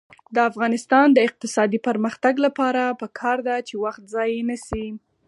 د افغانستان د اقتصادي پرمختګ لپاره پکار ده چې وخت ضایع نشي.